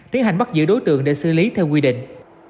tiến hành bắt giữ đối tượng để xử lý theo quy định